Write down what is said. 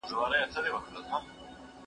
کېدای سي مځکه وچه وي!